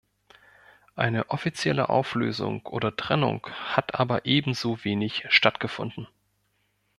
Eine offizielle Auflösung oder Trennung hat aber ebenso wenig stattgefunden.